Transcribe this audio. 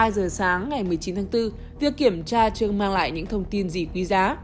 ba giờ sáng ngày một mươi chín tháng bốn việc kiểm tra chưa mang lại những thông tin gì quý giá